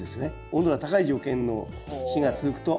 温度が高い条件の日が続くと。